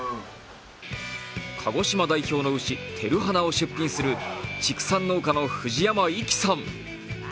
鹿児島代表の牛、てるはなを出品する畜産農家の藤山粋さん。